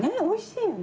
おいしい。